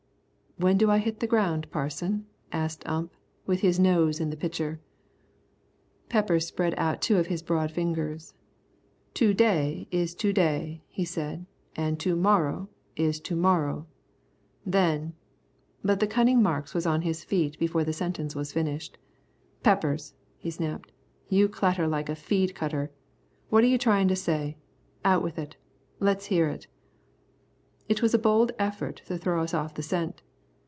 "When do I hit the ground, Parson?" asked Ump, with his nose in the pitcher. Peppers spread out two of his broad fingers. "To day is to day," he said, "an' to morrow is to morrow. Then " But the cunning Marks was on his feet before the sentence was finished. "Peppers," he snapped, "you clatter like a feed cutter. What are you tryin' to say? Out with it. Let's hear it." It was a bold effort to throw us off the scent.